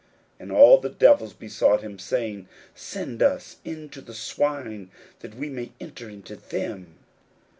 41:005:012 And all the devils besought him, saying, Send us into the swine, that we may enter into them.